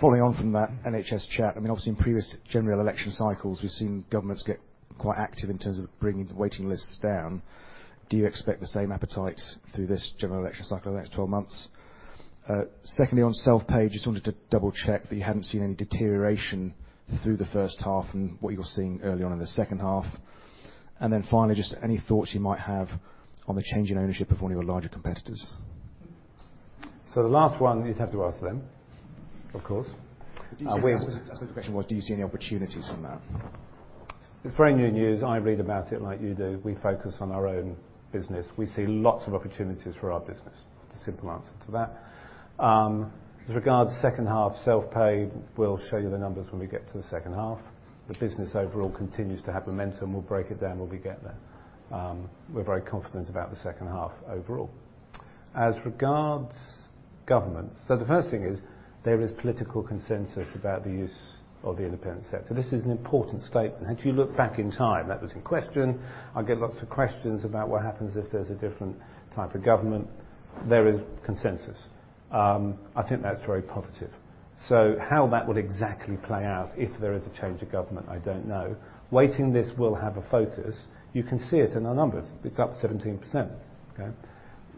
Speaker 11: Following on from that NHS chat, I mean, obviously in previous general election cycles, we've seen governments get quite active in terms of bringing the waiting lists down. Do you expect the same appetite through this general election cycle in the next 12 months? Secondly, on self-pay, just wanted to double-check that you haven't seen any deterioration through the first half and what you're seeing early on in the second half. And then finally, just any thoughts you might have on the change in ownership of one of your larger competitors.
Speaker 1: So the last one, you'd have to ask them, of course. We-
Speaker 11: I suppose the question was, do you see any opportunities from that?
Speaker 1: It's very new news. I read about it like you do. We focus on our own business. We see lots of opportunities for our business. Simple answer to that. With regards to second half self-pay, we'll show you the numbers when we get to the second half. The business overall continues to have momentum. We'll break it down when we get there. We're very confident about the second half overall. As regards government, the first thing is, there is political consensus about the use of the independent sector. This is an important statement. Had you looked back in time, that was in question. I get lots of questions about what happens if there's a different type of government. There is consensus. I think that's very positive. So how that would exactly play out if there is a change of government, I don't know. Waiting, this will have a focus. You can see it in our numbers. It's up 17%, okay?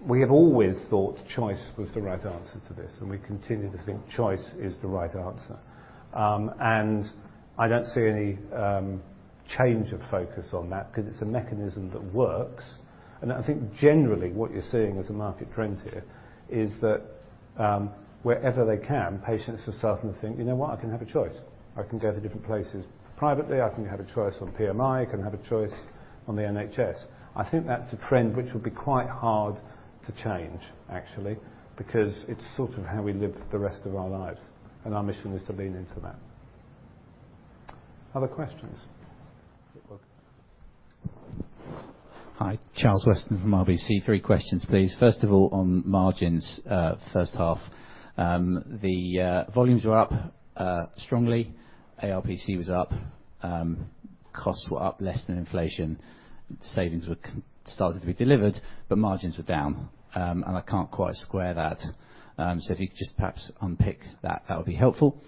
Speaker 1: We have always thought choice was the right answer to this, and we continue to think choice is the right answer. And I don't see any change of focus on that because it's a mechanism that works. And I think generally, what you're seeing as a market trend here is that, wherever they can, patients are starting to think, "You know what? I can have a choice. I can go to different places. Privately, I can have a choice on PMI, I can have a choice on the NHS." I think that's a trend which will be quite hard to change, actually, because it's sort of how we live the rest of our lives, and our mission is to lean into that. Other questions?
Speaker 12: Hi, Charles Weston from RBC. Three questions, please. First of all, on margins, first half. The volumes were up strongly, ARPC was up, costs were up less than inflation, savings were started to be delivered, but margins were down. And I can't quite square that. So if you could just perhaps unpick that, that would be helpful.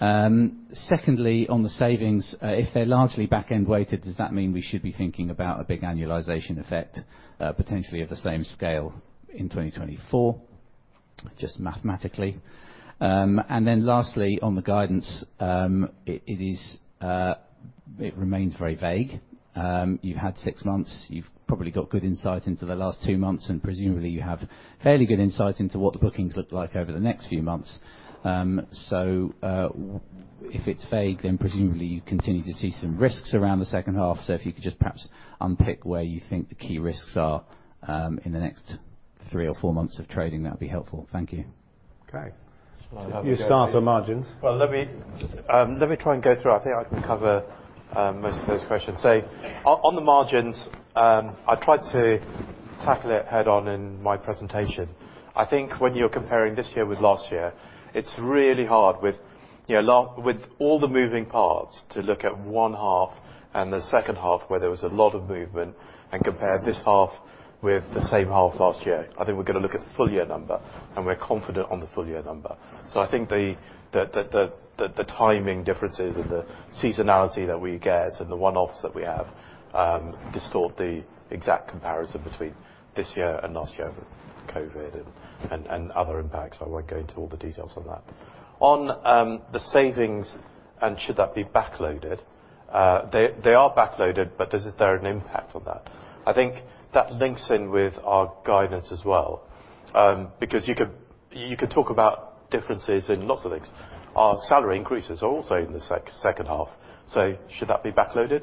Speaker 12: Secondly, on the savings, if they're largely back-end weighted, does that mean we should be thinking about a big annualization effect, potentially of the same scale in 2024? Just mathematically. And then lastly, on the guidance, it, it is, it remains very vague. You've had six months, you've probably got good insight into the last two months, and presumably, you have fairly good insight into what the bookings look like over the next few months. So, if it's vague, then presumably you continue to see some risks around the second half. So if you could just perhaps unpick where you think the key risks are, in the next three or four months of trading, that would be helpful. Thank you.
Speaker 1: Okay. You start on margins.
Speaker 4: Well, let me try and go through. I think I can cover most of those questions. So on the margins, I tried to tackle it head-on in my presentation. I think when you're comparing this year with last year, it's really hard with, you know, last year with all the moving parts, to look at one half and the second half, where there was a lot of movement, and compare this half with the same half last year. I think we're gonna look at the full year number, and we're confident on the full year number. So I think the timing differences and the seasonality that we get and the one-offs that we have distort the exact comparison between this year and last year over COVID and other impacts. I won't go into all the details on that. On the savings and should that be backloaded, they are backloaded, but is there an impact on that? I think that links in with our guidance as well. Because you could talk about differences in lots of things. Our salary increases are also in the second half, so should that be backloaded?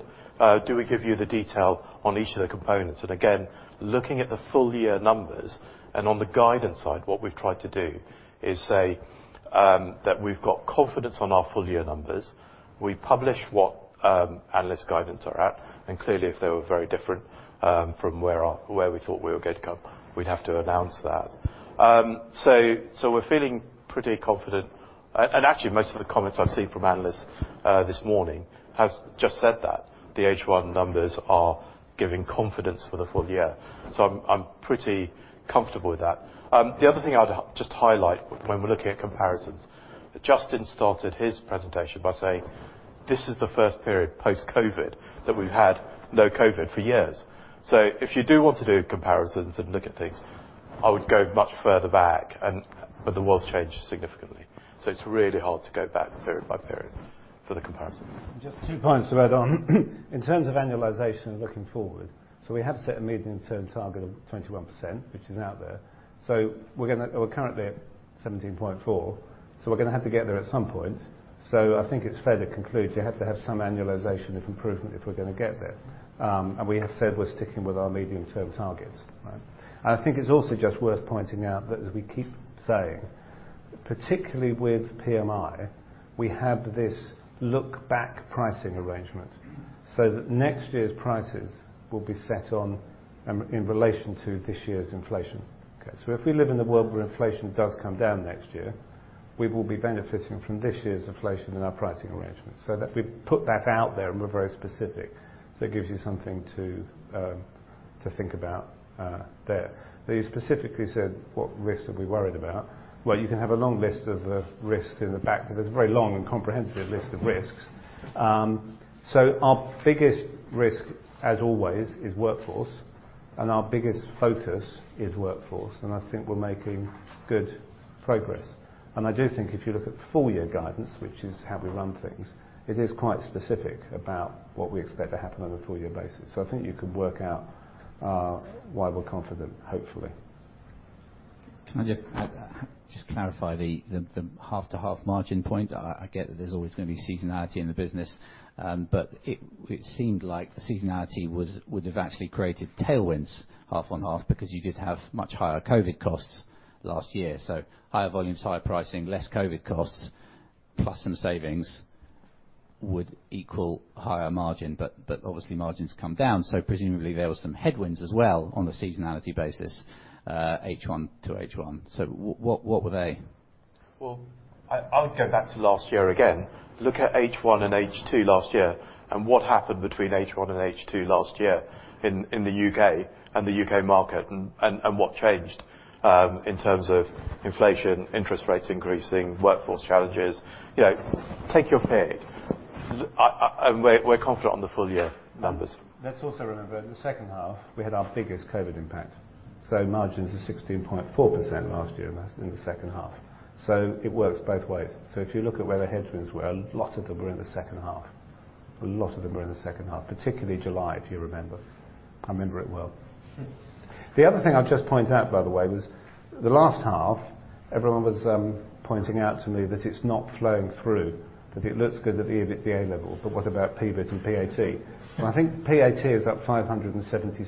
Speaker 4: Do we give you the detail on each of the components? And again, looking at the full year numbers and on the guidance side, what we've tried to do is say that we've got confidence on our full year numbers. We publish what analyst guidance are at, and clearly, if they were very different from where we thought we were going to go, we'd have to announce that. So we're feeling pretty confident. And actually, most of the comments I've seen from analysts this morning have just said that the H1 numbers are giving confidence for the full year. So I'm, I'm pretty comfortable with that. The other thing I'd just highlight when we're looking at comparisons, Justin started his presentation by saying, "This is the first period post-COVID that we've had no COVID for years." So if you do want to do comparisons and look at things, I would go much further back and, but the world's changed significantly, so it's really hard to go back period by period for the comparisons.
Speaker 1: Just two points to add on. In terms of annualization looking forward, so we have set a medium-term target of 21%, which is out there. So we're gonna. We're currently at 17.4, so we're gonna have to get there at some point. So I think it's fair to conclude you have to have some annualization of improvement if we're gonna get there. And we have said we're sticking with our medium-term targets, right? And I think it's also just worth pointing out that as we keep saying, particularly with PMI, we have this look-back pricing arrangement so that next year's prices will be set on, in relation to this year's inflation. Okay, so if we live in a world where inflation does come down next year, we will be benefiting from this year's inflation in our pricing arrangement. So that we've put that out there, and we're very specific, so it gives you something to think about there. But you specifically said, what risks are we worried about? Well, you can have a long list of risks in the back. There's a very long and comprehensive list of risks. So our biggest risk, as always, is workforce, and our biggest focus is workforce, and I think we're making good progress. And I do think if you look at the full year guidance, which is how we run things, it is quite specific about what we expect to happen on a full year basis. So I think you can work out why we're confident, hopefully.
Speaker 12: Can I just clarify the half-to-half margin point? I get that there's always gonna be seasonality in the business, but it seemed like the seasonality would have actually created tailwinds half-on-half, because you did have much higher COVID costs last year. So higher volumes, higher pricing, less COVID costs, plus some savings would equal higher margin, but obviously margins come down, so presumably there were some headwinds as well on the seasonality basis, H1-H2. So what were they?
Speaker 4: Well, I'll go back to last year again. Look at H1 and H2 last year, and what happened between H1 and H2 last year in the U.K. and the U.K. market, and what changed in terms of inflation, interest rates increasing, workforce challenges? You know, take your pick. I-- We're confident on the full year numbers.
Speaker 1: Let's also remember, in the second half, we had our biggest COVID impact, so margins were 16.4% last year, and that's in the second half. So it works both ways. So if you look at where the headwinds were, a lot of them were in the second half. A lot of them were in the second half, particularly July, if you remember. I remember it well. The other thing I'll just point out, by the way, was the last half, everyone was pointing out to me that it's not flowing through, that it looks good at the EBITDA level, but what about EBIT and PAT? And I think PAT is up 577%.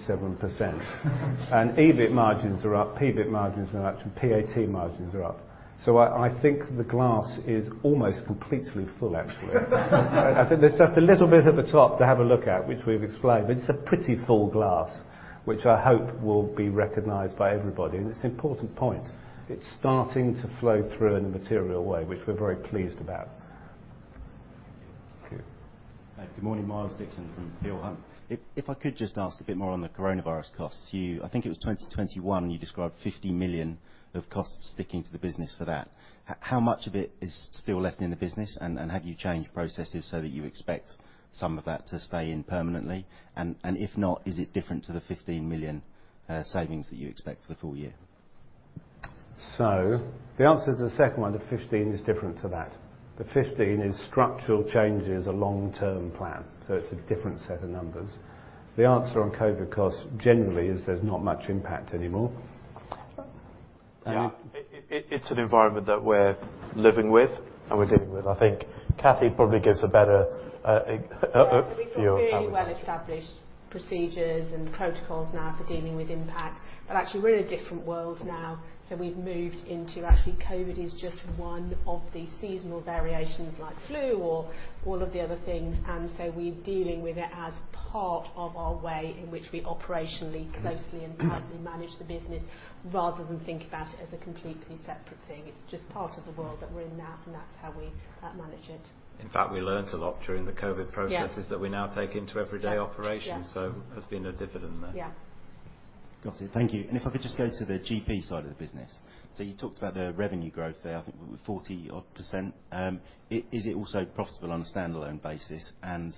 Speaker 1: And EBIT margins are up, EBIT margins are up, and PAT margins are up. So I think the glass is almost completely full, actually. I think there's just a little bit at the top to have a look at, which we've explained, but it's a pretty full glass, which I hope will be recognized by everybody. It's an important point. It's starting to flow through in a material way, which we're very pleased about.
Speaker 12: Thank you.
Speaker 13: Good morning, Miles Dixon from Peel Hunt. If I could just ask a bit more on the coronavirus costs. You I think it was 2021, and you described 50 million of costs sticking to the business for that. How much of it is still left in the business, and have you changed processes so that you expect some of that to stay in permanently? And if not, is it different to the 15 million savings that you expect for the full year?
Speaker 1: So the answer to the second one, the 15 is different to that. The 15 is structural changes, a long-term plan, so it's a different set of numbers. The answer on COVID costs, generally, is there's not much impact anymore.
Speaker 4: Yeah. It's an environment that we're living with, and we're dealing with. I think Cathy probably gives a better view on that.
Speaker 10: Yeah, so we've got fairly well-established procedures and protocols now for dealing with impact, but actually, we're in a different world now, so we've moved into actually COVID is just one of the seasonal variations, like flu or all of the other things. And so we're dealing with it as part of our way in which we operationally, closely, and tightly manage the business, rather than think about it as a completely separate thing. It's just part of the world that we're in now, and that's how we manage it.
Speaker 1: In fact, we learned a lot during the COVID processes-
Speaker 10: Yeah...
Speaker 1: that we now take into everyday operations.
Speaker 10: Yeah, yeah.
Speaker 1: There's been a dividend there.
Speaker 10: Yeah.
Speaker 13: Got it. Thank you. If I could just go to the GP side of the business. So you talked about the revenue growth there, I think 40-odd%. Is it also profitable on a standalone basis? And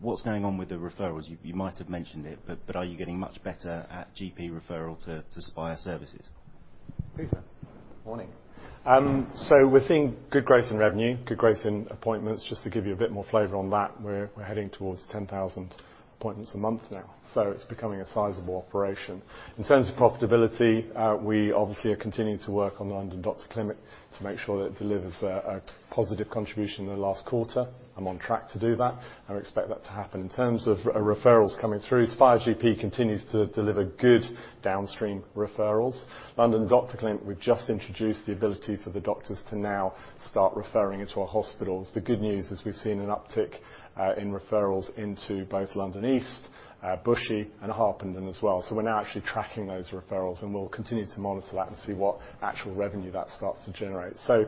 Speaker 13: what's going on with the referrals? You might have mentioned it, but are you getting much better at GP referral to Spire services?
Speaker 4: Peter, morning.
Speaker 8: So we're seeing good growth in revenue, good growth in appointments. Just to give you a bit more flavor on that, we're heading towards 10,000 appointments a month now, so it's becoming a sizable operation. In terms of profitability, we obviously are continuing to work on the London Doctor Clinic to make sure that it delivers a positive contribution in the last quarter. I'm on track to do that. I expect that to happen. In terms of referrals coming through, Spire GP continues to deliver good downstream referrals. London Doctor Clinic, we've just introduced the ability for the doctors to now start referring into our hospitals. The good news is we've seen an uptick in referrals into both London East, Bushey, and Harpenden as well. So we're now actually tracking those referrals, and we'll continue to monitor that and see what actual revenue that starts to generate. So,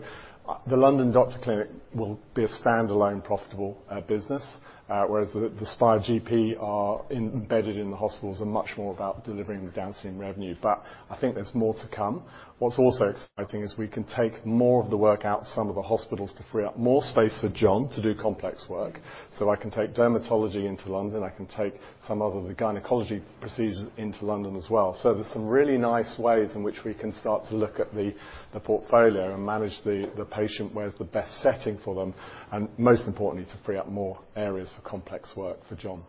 Speaker 8: the London Doctor Clinic will be a standalone, profitable, business, whereas the Spire GP are embedded in the hospitals and much more about delivering the downstream revenue. But I think there's more to come. What's also exciting is we can take more of the work out of some of the hospitals to free up more space for John to do complex work. So I can take dermatology into London. I can take some of the gynecology procedures into London as well. So there's some really nice ways in which we can start to look at the portfolio and manage the patient, where's the best setting for them, and most importantly, to free up more areas for complex work for John.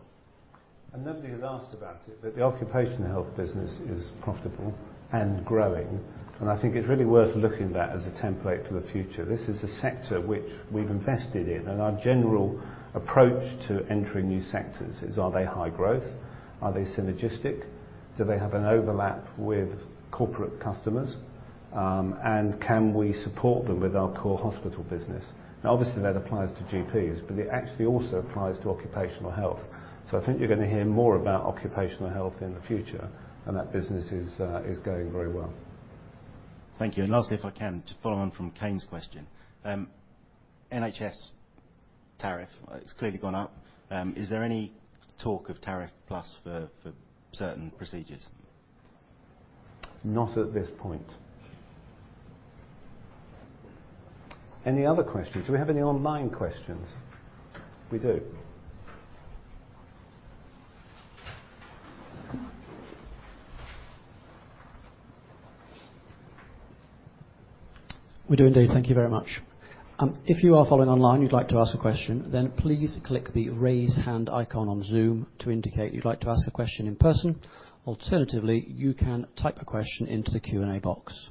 Speaker 1: Nobody has asked about it, but the occupational health business is profitable and growing, and I think it's really worth looking at that as a template for the future. This is a sector which we've invested in, and our general approach to entering new sectors is, are they high growth? Are they synergistic? Do they have an overlap with corporate customers? and can we support them with our core hospital business? Now, obviously, that applies to GPs, but it actually also applies to occupational health. So I think you're going to hear more about occupational health in the future, and that business is going very well.
Speaker 13: Thank you. Lastly, if I can, to follow on from Kane's question. NHS tariff, it's clearly gone up. Is there any talk of tariff plus for certain procedures?
Speaker 1: Not at this point. Any other questions? Do we have any online questions? We do.
Speaker 14: We do indeed. Thank you very much. If you are following online and you'd like to ask a question, then please click the Raise Hand icon on Zoom to indicate you'd like to ask a question in person. Alternatively, you can type a question into the Q&A box.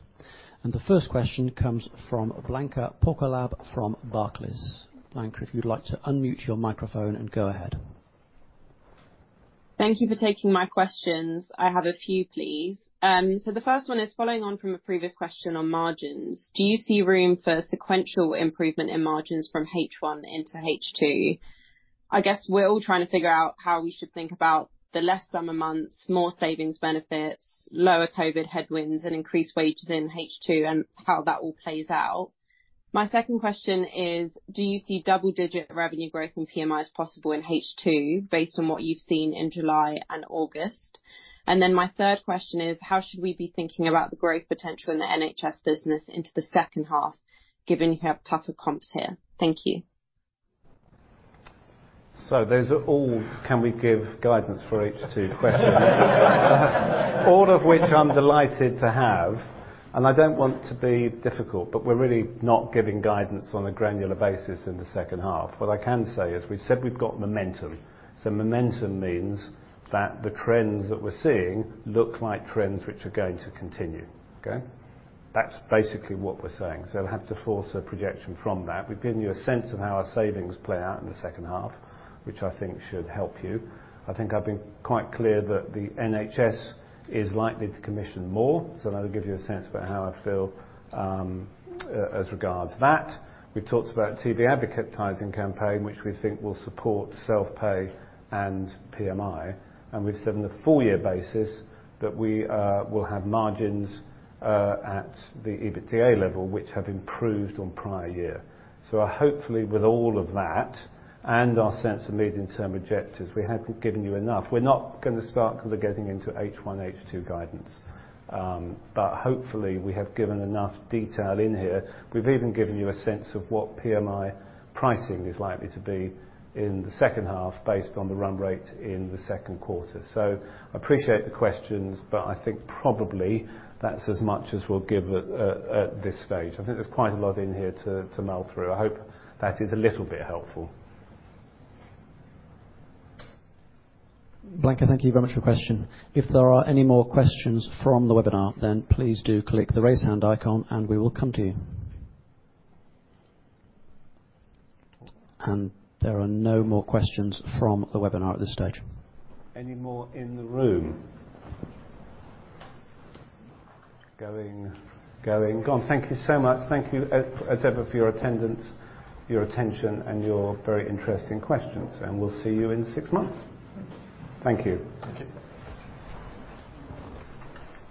Speaker 14: The first question comes from Blanka Pokolab from Barclays. Blanca, if you'd like to unmute your microphone and go ahead....
Speaker 3: Thank you for taking my questions. I have a few, please. So the first one is following on from a previous question on margins. Do you see room for sequential improvement in margins from H1 into H2? I guess we're all trying to figure out how we should think about the less summer months, more savings benefits, lower COVID headwinds, and increased wages in H2, and how that all plays out. My second question is: Do you see double-digit revenue growth in PMI as possible in H2, based on what you've seen in July and August? And then my third question is: How should we be thinking about the growth potential in the NHS business into the second half, given you have tougher comps here? Thank you.
Speaker 1: So those are all, "Can we give guidance for H2" questions? All of which I'm delighted to have, and I don't want to be difficult, but we're really not giving guidance on a granular basis in the second half. What I can say is, we've said we've got momentum. So momentum means that the trends that we're seeing look like trends which are going to continue. Okay? That's basically what we're saying, so you'll have to force a projection from that. We've given you a sense of how our savings play out in the second half, which I think should help you. I think I've been quite clear that the NHS is likely to commission more, so that'll give you a sense about how I feel, as regards that. We've talked about TV advertising campaign, which we think will support self-pay and PMI, and we've said on a full year basis, that we will have margins at the EBITDA level, which have improved on prior year. So hopefully with all of that and our sense of medium-term objectives, we have given you enough. We're not gonna start kind of getting into H1, H2 guidance. But hopefully, we have given enough detail in here. We've even given you a sense of what PMI pricing is likely to be in the second half, based on the run rate in the second quarter. So I appreciate the questions, but I think probably that's as much as we'll give at this stage. I think there's quite a lot in here to mull through. I hope that is a little bit helpful.
Speaker 14: Blanka, thank you very much for your question. If there are any more questions from the webinar, then please do click the Raise Hand icon, and we will come to you. There are no more questions from the webinar at this stage.
Speaker 1: Any more in the room? Going, going, gone. Thank you so much. Thank you, as ever, for your attendance, your attention, and your very interesting questions, and we'll see you in six months.
Speaker 14: Thank you.
Speaker 1: Thank you.
Speaker 14: Thank you.